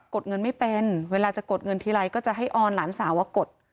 ดเงินไม่เป็นเวลาจะกดเงินทีไรก็จะให้ออนหลานสาวกด